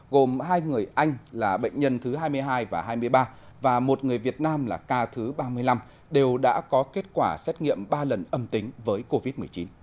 gồm hai người anh là bệnh nhân thứ hai mươi hai và hai mươi ba và một người việt nam là ca thứ ba mươi năm đều đã có kết quả xét nghiệm ba lần âm tính với covid một mươi chín